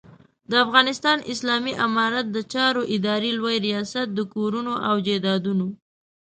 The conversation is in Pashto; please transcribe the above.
د افغانستان اسلامي امارت د چارو ادارې لوی رياست د کورونو او جایدادونو